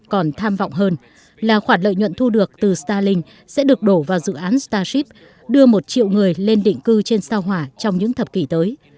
còn tham vọng hơn là khoản lợi nhuận thu được từ starlink sẽ được đổ vào dự án starship đưa một triệu người lên định cư trên sao hỏa trong những thập kỷ tới